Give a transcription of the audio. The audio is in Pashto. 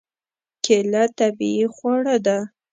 کېله طبیعي خواړه ده.